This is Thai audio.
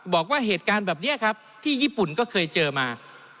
บอกว่าเหตุการณ์แบบนี้ครับที่ญี่ปุ่นก็เคยเจอมา